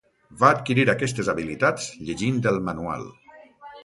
Va adquirir aquestes habilitats llegint el manual.